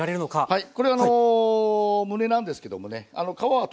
はい。